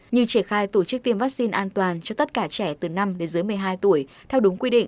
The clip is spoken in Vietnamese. như triển khai tổ chức tiêm vaccine an toàn cho tất cả trẻ từ năm đến dưới một mươi hai tuổi theo đúng quy định